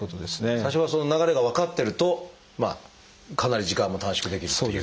最初からその流れが分かってるとまあかなり時間も短縮できるっていう。